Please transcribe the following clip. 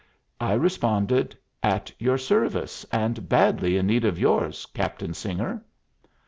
I responded, "At your service, and badly in need of yours, Captain Singer."